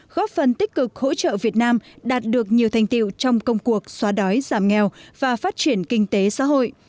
góp phần tích cực hỗ trợ việt nam đạt được nhiều thành tiệu trong công cuộc xóa đói giảm nghèo và phát triển kinh tế xã hội